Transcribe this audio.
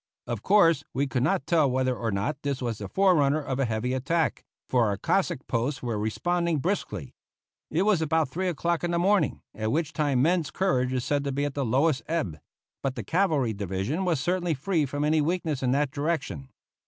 Of course, we could not tell whether or not this was the forerunner of a heavy attack, for our Cossack posts were responding briskly. It was about three o'clock in the morning, at which time men's courage is said to be at the lowest ebb; but the cavalry division was certainly free from any weakness in that direction.